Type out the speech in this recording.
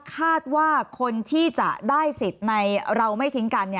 คาดว่าคนที่จะได้สิทธิ์ในเราไม่ทิ้งกัน